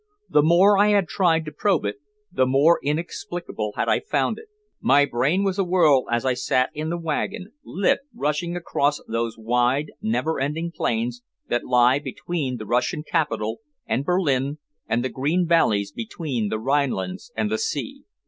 The more I had tried to probe it, the more inexplicable had I found it. My brain was awhirl as I sat in the wagon lit rushing across those wide, never ending plains that lie between the Russian capital and Berlin and the green valleys between the Rhine lands and the sea.